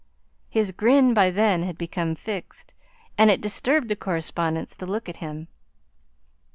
His grin by then had become fixed, and it disturbed the correspondents to look at him.